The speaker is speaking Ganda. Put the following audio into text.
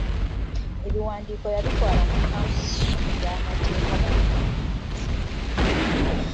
Ebiwandiiko yabitwala mu kampuni emu ey’amateeka babyetegereze.